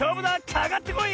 かかってこい！